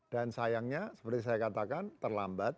dan sayangnya seperti saya katakan terlambat